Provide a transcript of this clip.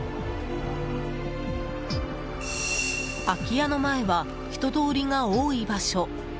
空き家の前は人通りが多い場所。